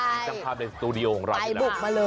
มีตัวแรกภาพในสตูดิโอของเราอยู่แล้ว